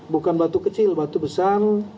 bukan batu kecil batu besar